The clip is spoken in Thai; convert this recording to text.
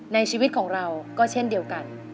ในชีวิตของเราก็เช่นเดียวกัน